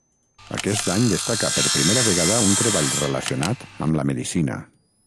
Aquest any destaca per primer vegada un treball relacionat amb la medicina.